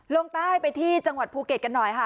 ลงใต้ไปที่จังหวัดภูเก็ตกันหน่อยค่ะ